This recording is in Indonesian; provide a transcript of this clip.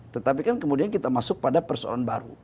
tetapi kan kemudian kita masuk pada persoalan baru